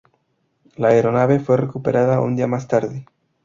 La aeronave fue recuperada un día más tarde.